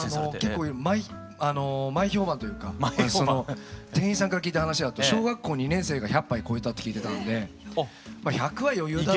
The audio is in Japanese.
結構前評判というか店員さんから聞いた話だと小学校２年生が１００杯超えたって聞いてたんで１００は余裕だろうな。